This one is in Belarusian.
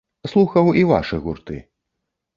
Слухаў і вашы гурты.